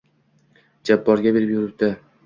Jabborga berib yuribdi